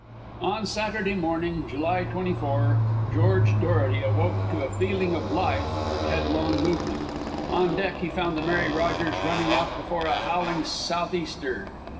On Saturday morning, July 24, George Dorety awoke to a feeling of life and headlong movement. On deck he found the Mary Rogers running off before a howling south easter.